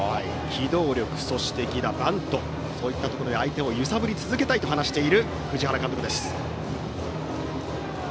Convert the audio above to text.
機動力、犠打、バントそういったところで相手を揺さぶり続けたいと話している藤原監督です。